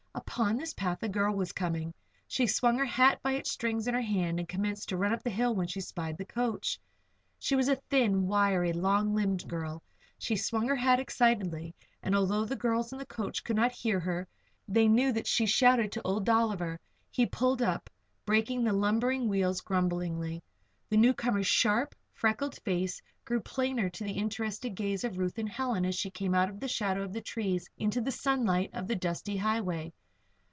Up this path a girl was coming. She swung her hat by its strings in her hand and commenced to run up the hill when she spied the coach. She was a thin, wiry, long limbed girl. She swung her hat excitedly and although the girls in the coach could not hear her, they knew that she shouted to Old Dolliver. He pulled up, braking the lumbering wheels grumblingly. The newcomer's sharp, freckled face grew plainer to the interested gaze of Ruth and Helen as she came out of the shadow of the trees into the sunlight of the dusty highway.